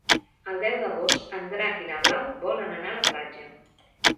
El deu d'agost en Drac i na Blau volen anar a la platja.